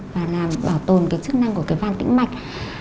và làm bảo tồn cái chức năng của cái van tĩnh mạch